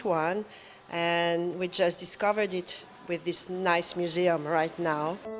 dan kami baru saja menemukannya di museum yang bagus ini